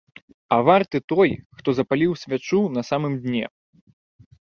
А варты той, хто запаліў свячу на самым дне.